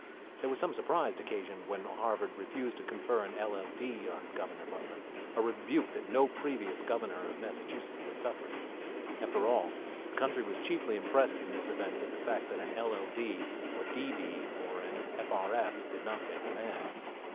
There was some surprise occasioned when Harvard refused to confer an LL.D. on Governor Butler, a rebuke that no previous Governor of Massachusetts had suffered. After all, the country was chiefly impressed in this event with the fact that an LL.D., or a D.D., or an F.R.S., did not make the man.